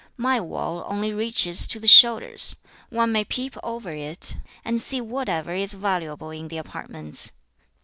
My wall only reaches to the shoulders. One may peep over it, and see whatever is valuable in the apartments.